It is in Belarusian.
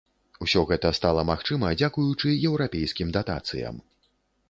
Усё гэта стала магчыма, дзякуючы еўрапейскім датацыям.